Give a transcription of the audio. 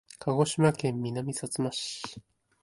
鹿児島県南さつま市